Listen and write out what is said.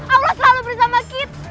allah selalu bersama kita